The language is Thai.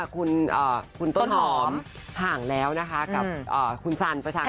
คุณต้นหอมห่างแล้วนะคะกับคุณสันประชาค